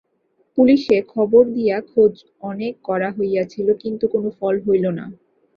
পুলিসে খবর দিয়া খোঁজ অনেক করা হইয়াছিল, কিন্তু কোনো ফল হইল না।